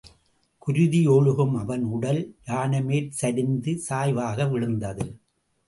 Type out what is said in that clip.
குருதி ஒழுகும் அவன் உடல் யானைமேற், சரிந்து சாய்வாக விழுந்தது.